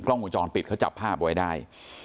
กล้องมูลจรปิดเขาจับภาพไว้ได้